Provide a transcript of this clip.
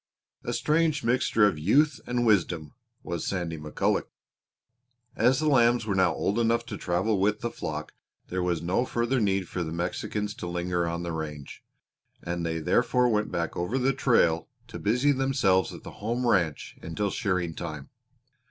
A strange mixture of youth and wisdom was Sandy McCulloch! As the lambs were now old enough to travel with the flock there was no further need for the Mexicans to linger on the range, and they therefore went back over the trail to busy themselves at the home ranch until shearing time.